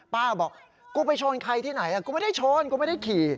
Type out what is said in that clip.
ป้าบอกกูไปชนใครที่ไหนกูไม่ได้ชนกูไม่ได้ขี่